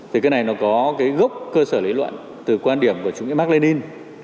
thì cái này nó có cái gốc cơ sở lý luận từ quan điểm của chủ nghĩa mạc lê ninh